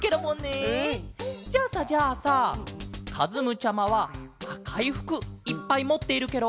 うん！じゃあさじゃあさかずむちゃまはあかいふくいっぱいもっているケロ？